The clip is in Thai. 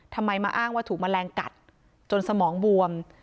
ทำไมมาอ้างว่าถูกแมลงกัดจนสมองบวม